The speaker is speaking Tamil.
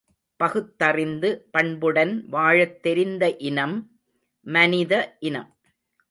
பகுத்தறிந்து, பண்புடன் வாழத் தெரிந்த இனம் மனிதஇனம்.